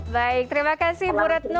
baik terima kasih bu retno